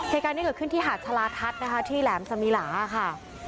เหตุการณ์นี้เกิดขึ้นที่หาดชาลาทัศน์นะคะที่แหลมสมีหลาค่ะ